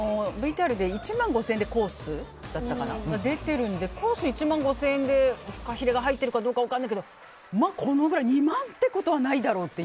ＶＴＲで１万５０００円でコースって出てたのでコースが１万５０００円でフカヒレが入ってるかどうか分からないけど２万ってことはないだろうって。